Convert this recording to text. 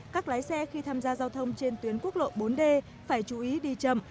các lái xe khi tham gia giao thông trên tuyến quốc lộ bốn d phải chú ý đi chậm